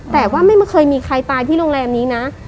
แต่ว่าไม่เคยมีใครตายที่โรงแรมนี้นะ